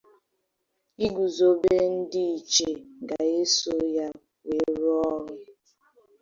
iguzobe ndị ichie ga-eso ya wee rụọ ọrụ